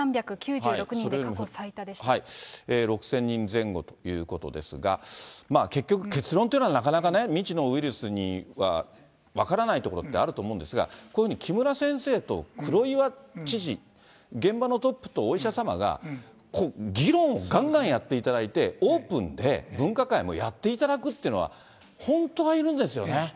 ６０００人前後ということですが、結局、結論というのは、なかなかね、未知のウイルスには分からないところってあると思うんですが、こういうふうに、木村先生と黒岩知事、現場のトップとお医者様が、議論をがんがんやっていただいて、オープンで分科会もやっていただくっていうのは、本当はいるんですよね。